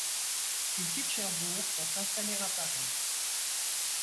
Ils quittent Cherbourg pour s'installer à Paris.